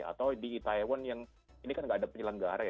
atau di taiwan yang ini kan tidak ada penyelenggara ya